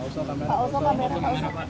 pak usman pak beran pak usman